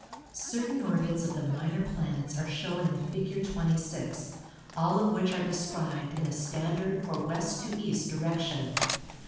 Certain orbits of the minor planets are shown in Fig. 26, all of which are described in a standard or west to east direction.